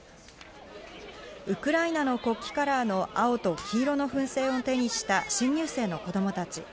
ウクライナの国旗カラーの青と黄色の風船を手にした新入生の子供たち。